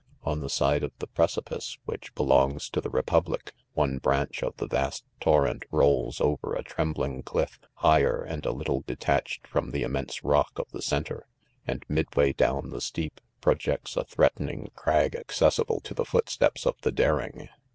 c On; the side of the precipice which beloags to the republic, one branch of the vast torrent lolls. over a trembling cliff higher, and a little teached. from the immense rock of the cen tre* ,; and midway down the steep, projects a tfireatening crag accessible to the footsteps of the daring.